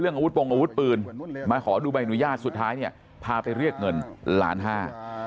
อาวุธปงอาวุธปืนมาขอดูใบอนุญาตสุดท้ายเนี่ยพาไปเรียกเงินล้านห้า